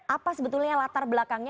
apa sebetulnya latar belakangnya